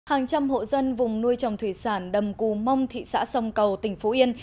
hàng trăm hộ dân vùng nuôi trồng thủy sản đầm cù mông thị xã sông cầu tỉnh phú yên